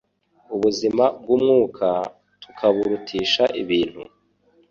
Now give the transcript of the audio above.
ubuzima bw'umwuka, tukaburutisha ibintu